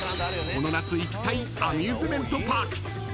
［この夏行きたいアミューズメントパーク］